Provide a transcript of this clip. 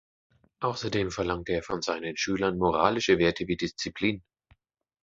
Außerdem verlangte er von seinen Schülern moralische Werte wie Disziplin.